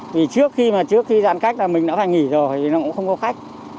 thì trước khi mà trước khi giãn cách là mình đã phải nghỉ rồi thì nó cũng không có khách